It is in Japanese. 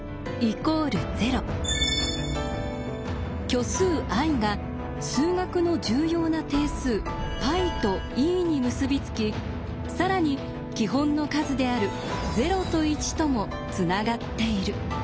虚数ｉが数学の重要な定数πとｅに結び付き更に基本の数である０と１ともつながっている。